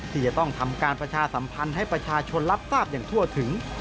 ที่จะต้องทำการประชาสัมพันธ์ให้ประชาชนรับทราบอย่างทั่วถึง